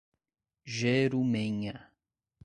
Jerumenha